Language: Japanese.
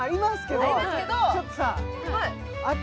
ちょっとさ